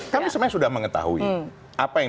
kami sebenarnya sudah mengetahui apa yang